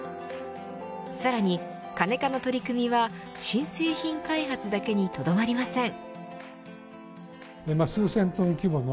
さらに、カネカの取り組みは新製品開発だけにとどまりません。